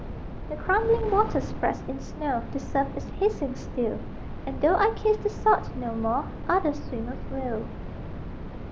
The crumbling water spreads in snow, The surf is hissing still, And though I kiss the salt no more Other swimmers will.